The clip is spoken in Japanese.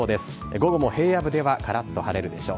午後も平野部ではからっと晴れるでしょう。